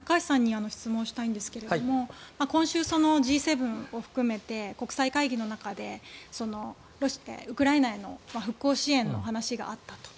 高橋さんに質問したいんですが今週、Ｇ７を含めて国際会議の中でウクライナへの復興支援の話があったと。